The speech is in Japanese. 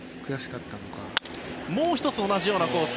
もう１つ同じようなコース